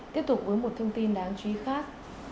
tiếp tục với một thông tin đáng chú ý khác